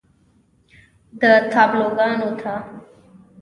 و تابلوګانو ته